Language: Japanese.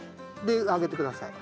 で上げてください。